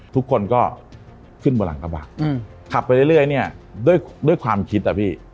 ทุกคนก็ขึ้นบนหลังกระบะขับไปเรื่อยเนี่ยด้วยความคิดอะพี่